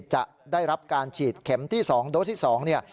จะได้รับการฉีดเข็มที่๒โดสที่๒เนี่ย